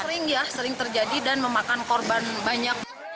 sering ya sering terjadi dan memakan korban banyak